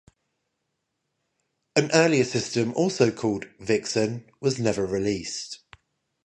An earlier system also called "Vixen" was never released.